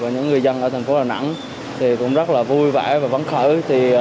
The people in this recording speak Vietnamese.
những người dân ở thành phố đà nẵng thì cũng rất là vui vẻ và vấn khởi